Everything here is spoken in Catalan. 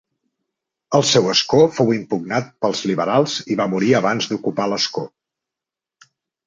El seu escó fou impugnat pels liberals i va morir abans d'ocupar l'escó.